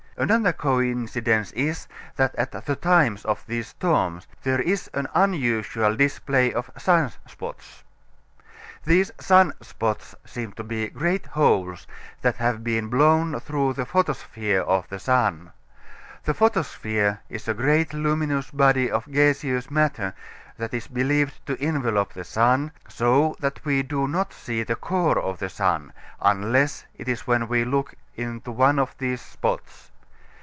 Another coincidence is that at the times of these storms there is an unusual display of sun spots. These sun spots seem to be great holes that have been blown through the photosphere of the sun. The photosphere is a great luminous body of gaseous matter that is believed to envelop the sun, so that we do not see the core of the sun unless it is when we look into one of these spots.